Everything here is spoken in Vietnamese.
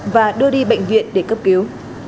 và đưa đi bệnh viện để cấp cứu